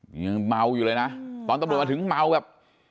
นี่ยังเมาอยู่เลยนะตอนตำรวจมาถึงเมาแบบ